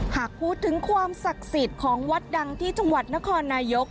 หากพูดถึงความศักดิ์สิทธิ์ของวัดดังที่จังหวัดนครนายก